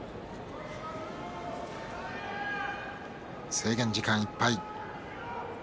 制限時間いっぱい。